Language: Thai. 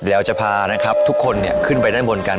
เดี๋ยวจะพานะครับทุกคนขึ้นไปด้านบนกัน